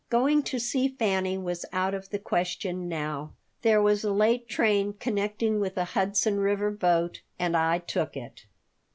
Going to see Fanny was out of the question now. There was a late train connecting with a Hudson River boat and I took it.